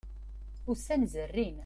Ussan zerrin.